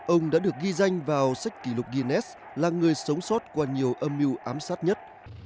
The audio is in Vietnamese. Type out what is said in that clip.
ông đã được ghi danh vào sách kỷ lục guinness là người sống sót qua nhiều âm mưu ám sát nhất